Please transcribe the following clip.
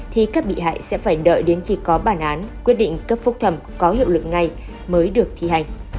thì các bị hại sẽ phải đợi đến khi có bản án quyết định cấp phúc thẩm có hiệu lực ngay mới được thi hành